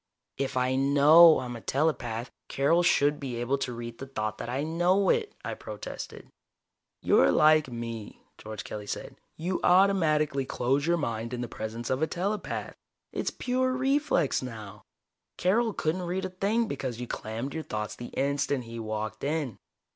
"If I know I'm a telepath, Carol should be able to read the thought that I know it," I protested. "You're like me," George Kelly said. "You automatically close your mind in the presence of a telepath. It's pure reflex now. Carol couldn't read a thing because you clammed your thoughts the instant he walked in."